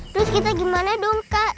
terus kita gimana dong kak